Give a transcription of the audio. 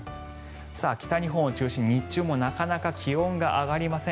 北日本を中心に日中もなかなか気温が上がりません